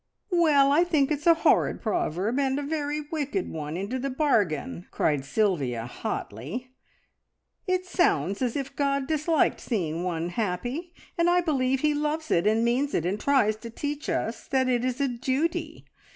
"Well, I think it's a horrid proverb and a very wicked one into the bargain!" cried Sylvia hotly. "It sounds as if God disliked seeing one happy, and I believe He loves it and means it, and tries to teach us that it is a duty!